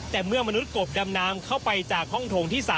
แต่เมื่อมนุษย์กบดำน้ำเข้าไปจากห้องโถงที่๓